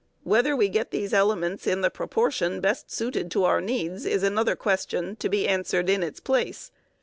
Whether we get these elements in the proportion best suited to our needs is another question, to be answered in its place.